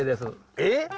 えっ！？